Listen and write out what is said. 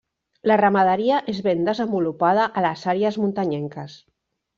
La ramaderia és ben desenvolupada a les àrees muntanyenques.